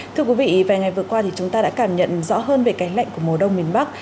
thưa quý vị vài ngày vừa qua thì chúng ta đã cảm nhận rõ hơn về cái lạnh của mùa đông miền bắc